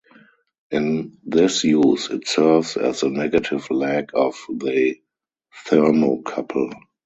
In this use, it serves as the negative leg of the thermocouple.